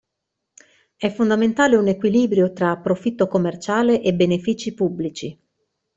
È fondamentale un equilibrio tra profitto commerciale e benefici pubblici.